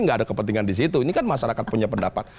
nggak ada kepentingan disitu ini kan masyarakat punya pendapat